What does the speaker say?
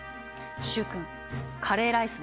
習君カレーライスは？